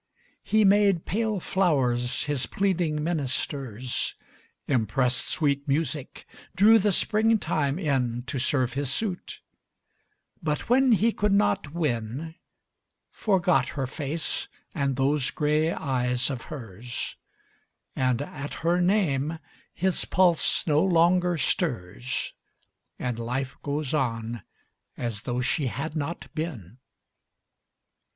He made pale flowers his pleading ministers, Impressed sweet music, drew the springtime inTo serve his suit; but when he could not win, Forgot her face and those gray eyes of hers; And at her name his pulse no longer stirs, And life goes on as though she had not been.